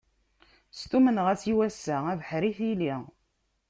Stummneɣ-as i wass-a, abeḥri tili.